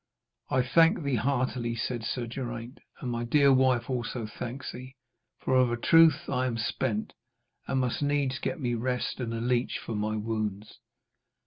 'I thank thee heartily,' said Sir Geraint, 'and my dear wife also thanks thee. For of a truth I am spent, and must needs get me rest and a leech for my wounds.'